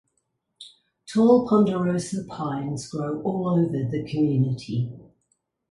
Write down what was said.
Tall ponderosa pines grow all over the community.